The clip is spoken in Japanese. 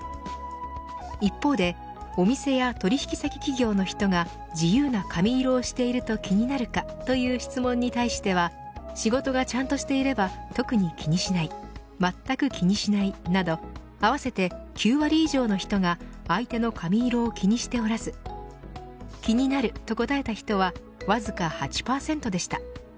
一方で、お店や取引先企業の人が自由な髪色をしていると気になるかという質問に対しては仕事がちゃんとしてれば特に気にしないまったく気にしないなど合わせて９割以上の人が相手の髪色を気にしておらず気になると答えた人はわずか８％でした。